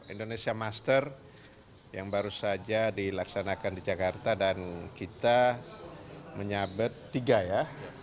indonesia master yang baru saja dilaksanakan di jakarta dan kita menyabet tiga ya